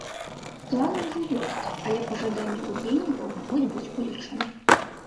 Планы ўжо ёсць, але пажаданні ўдзельнікаў могуць быць улічаны.